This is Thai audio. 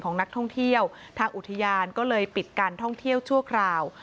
ของนักท่องเที่ยวทางอุทยานก็เลยปิดการท่องเที่ยวชั่วคราว